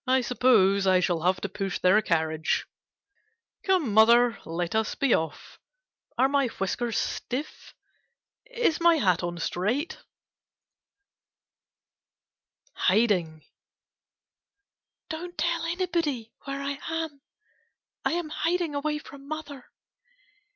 I suppose I shall have to push their carriage. Come, mother, let us be off. Are my whiskers stiff ? Is my hat on straight ? 14 KITTENS Amy OATS HIDING Don't tell anybody where I am. I am hiding away from mother.